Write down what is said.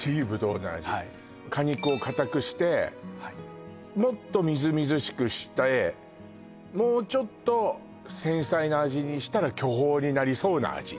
はい果肉を硬くしてもっとみずみずしくしてもうちょっと繊細な味にしたら巨峰になりそうな味